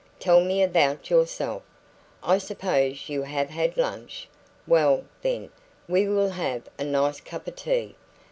Tell me about yourself. I suppose you have had lunch? Well, then, we will have a nice cup of tea.